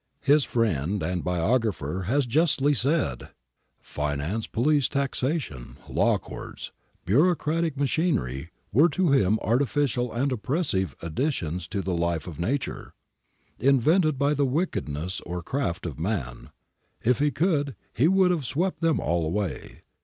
His friend and biographer has justly said :— 'Finance, police, taxation, law courts, bureaucratic ma chinery were to him artificial and oppressive additions to the life of nature, invented by the wickedness or craft of man ; if he could, he would have swept them all away.